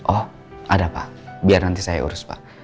oh ada pak biar nanti saya urus pak